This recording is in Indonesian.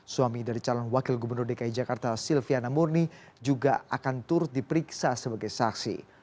suami dari calon wakil gubernur dki jakarta silviana murni juga akan turut diperiksa sebagai saksi